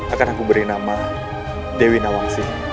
akan aku beri nama dewi nawasih